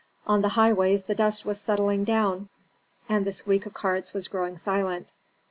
On the highways the dust was settling down and the squeak of carts was growing silent.